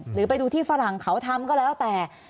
หรือไปดูที่ฝรั่งเขาทำก็แล้วแต่